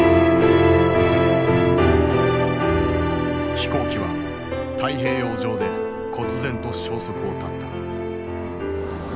飛行機は太平洋上でこつ然と消息を絶った。